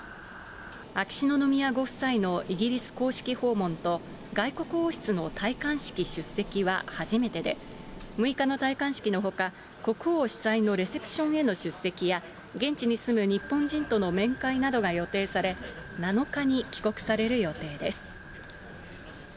秋篠宮ご夫妻のイギリス公式訪問と、外国王室の戴冠式出席は初めてで、６日の戴冠式のほか、国王主催のレセプションへの出席や、現地に住む日本人との面会などが予定され、７日に帰国される予定です。